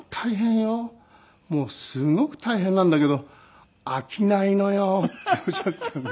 「もうすごく大変なんだけど飽きないのよ」っておっしゃってたんで。